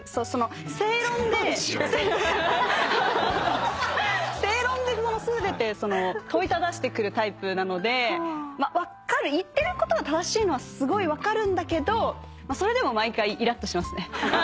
・「正論厨」正論で全て問いただしてくるタイプなので言ってることは正しいのはすごい分かるんだけどそれでも毎回イラッとしますね。